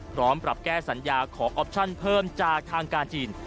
พร้อมปรับแก้สัญญาขอออปชั่นเพิ่มจากทางการจีน